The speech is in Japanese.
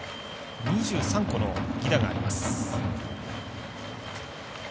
２３個の犠打があります。